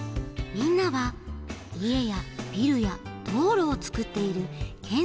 みんなはいえやビルやどうろをつくっているけん